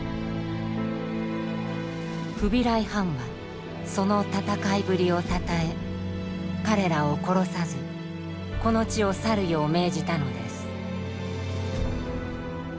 フビライ・ハンはその戦いぶりをたたえ彼らを殺さずこの地を去るよう命じたのです。